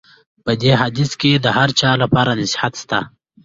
په دې حدیث کې د هر چا لپاره نصیحت شته.